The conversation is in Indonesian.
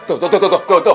tuh tuh tuh tuh tuh tuh tuh